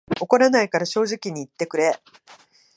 怒らないから正直に言ってくれ